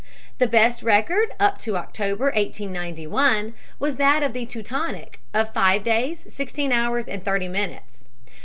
The best record up to October, 1891, was that of the Teutonic, of five days, sixteen hours, and thirty minutes.